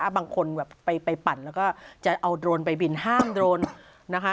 บางคนแบบไปปั่นแล้วก็จะเอาโดรนไปบินห้ามโดรนนะคะ